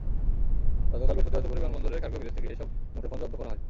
গতকাল বৃহস্পতিবার দুপুরে বিমানবন্দরের কার্গো ভিলেজ থেকে এসব মুঠোফোন জব্দ করা হয়।